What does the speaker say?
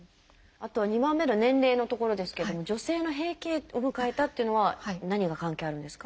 あとは２番目の年齢のところですけども女性の「閉経を迎えた」というのは何が関係あるんですか？